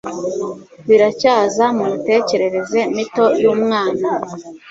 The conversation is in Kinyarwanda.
biracyaza, mumitekerereze mito yumwana